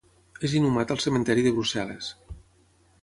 És inhumat al cementiri de Brussel·les.